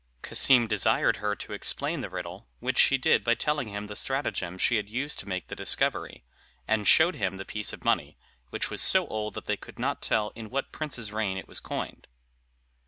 Cassim desired her to explain the riddle, which she did by telling him the stratagem she had used to make the discovery, and showed him the piece of money, which was so old that they could not tell in what prince's reign it was coined.